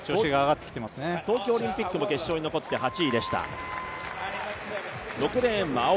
東京オリンピックも決勝に残って８位でした。